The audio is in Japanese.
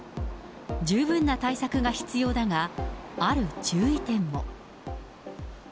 十分な対策が必要だが、ある注意点も。